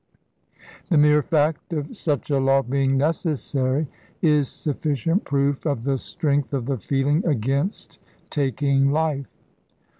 The mere fact of such a law being necessary is sufficient proof of the strength of the feeling against taking life.